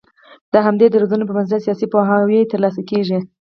د همدې درځونو پر بنسټ سياسي پوهاوی تر لاسه کېږي